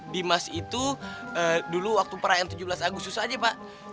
dimas itu dulu waktu perayaan tujuh belas agustus aja pak